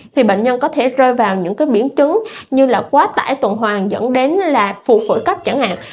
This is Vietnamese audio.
thì bệnh nhân có thể rơi vào những biến chứng như quá tải tuần hoàng dẫn đến phụ phổi cấp chẳng hạn